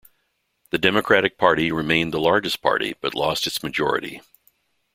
The Democratic Party remained the largest party, but lost its majority.